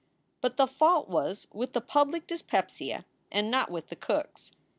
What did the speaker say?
But the fault was with the public dyspepsia and not with the cooks.